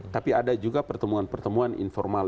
tapi ada juga pertemuan pertemuan informal